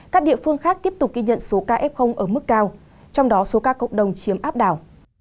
các địa phương khác tiếp tục ghi nhận số ca f ở mức cao trong đó số ca cộng đồng chiếm áp đảo